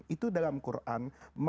itu dalam quran